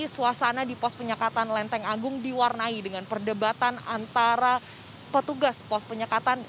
suasana di pos penyekatan lenteng agung diwarnai dengan perdebatan antara petugas pos penyekatan